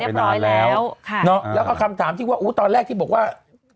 เรียบร้อยแล้วแล้วก็คำถามที่ว่าอู้ตอนแรกที่บอกว่า